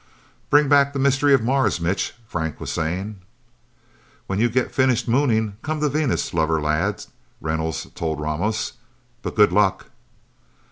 "Bring back the Mystery of Mars, Mitch!" Frank was saying. "When you get finished Mooning, come to Venus, Lover Lad," Reynolds told Ramos. "But good luck!"